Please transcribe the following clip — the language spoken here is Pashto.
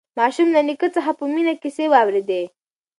ماشوم له نیکه څخه په مینه کیسې واورېدې